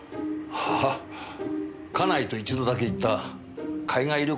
ああ家内と一度だけ行った海外旅行の時の写真です。